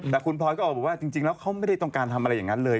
แต่คุณพลอยก็ออกบอกว่าจริงแล้วเขาไม่ได้ต้องการทำอะไรอย่างนั้นเลย